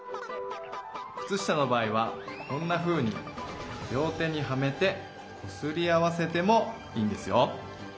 くつ下の場合はこんなふうに両手にはめてこすり合わせてもいいんですよ。